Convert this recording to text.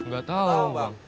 gak tau bang